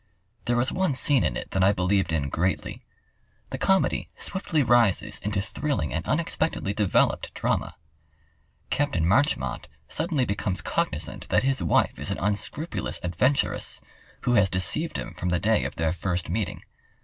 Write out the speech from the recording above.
There was one scene in it that I believed in greatly. The comedy swiftly rises into thrilling and unexpectedly developed drama. Capt. Marchmont suddenly becomes cognizant that his wife is an unscrupulous adventuress, who has deceived him from the day of their first meeting.